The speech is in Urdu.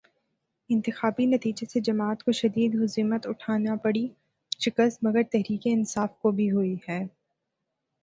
انتخابی نتیجے سے جماعت کو شدید ہزیمت اٹھانا پڑی، شکست مگر تحریک انصاف کو بھی ہوئی ہے۔